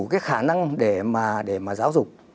cái khả năng để mà giáo dục